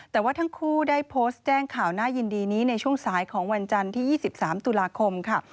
แต่ว่าทั้งคู่ได้โพสต์แจ้งข่าวน่ายินดีนี้ในช่วงสายของวันจันทร์ที่๒๓ตุลาคมค่ะ